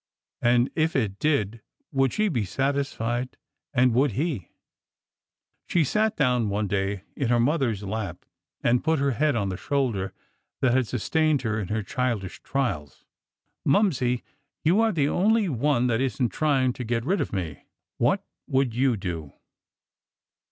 And if it did, would she be satisfied? and would he? She sat down one day in her mother's lap and put her head on the shoulder that had sustained her in her child ish trials. '' Momsie, you are the only one that is n't trying to get rid of me. What would you do?"